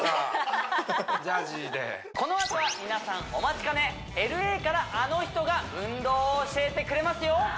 このあとは皆さんお待ちかねＬＡからあの人が運動を教えてくれますよ